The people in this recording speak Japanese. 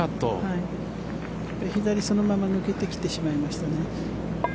左にそのまま抜けてきてしまいましたね。